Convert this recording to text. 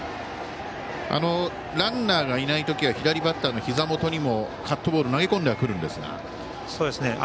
ランナーがいないときは左バッターのひざ元にもカットボールを投げ込んではくるんですが。